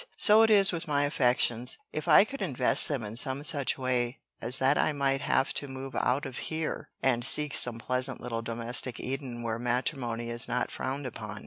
So it is with my affections. If I could invest them in some such way as that I might have to move out of here, and seek some pleasant little domestic Eden where matrimony is not frowned upon."